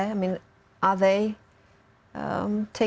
yang mendapatkan kegiatan